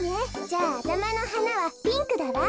じゃああたまのはなはピンクだわ。